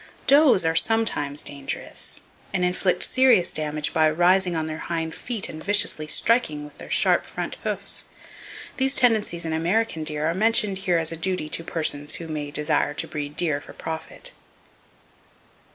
Does are sometimes dangerous, and inflict serious damage by rising on their hind feet and viciously striking with their sharp front hoofs. These tendencies in American deer are mentioned here as a duty to persons who may desire to breed deer for profit.